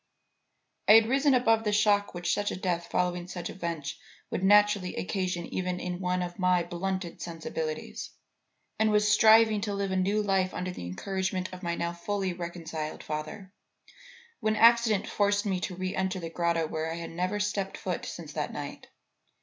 "I had risen above the shock which such a death following such events would naturally occasion even in one of my blunted sensibilities, and was striving to live a new life under the encouragement of my now fully reconciled father, when accident forced me to re enter the grotto where I had never stepped foot since that night.